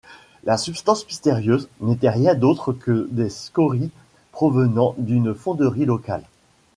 La substance mystérieuse n'était rien d'autre que des scories provenant d'une fonderie locale.